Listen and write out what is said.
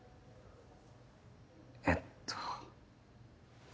えっと。